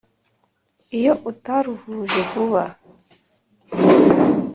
Iyo utaruvuje vuba